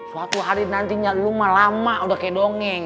suatu hari nantinya lu mah lama udah kayak dongeng